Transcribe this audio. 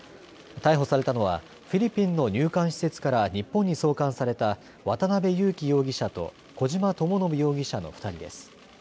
逮捕されたのはフィリピンの入管施設から日本に送還された渡邉優樹容疑者と小島智信容疑者の２人です。